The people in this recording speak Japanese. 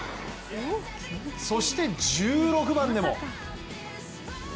そして、１６番でも！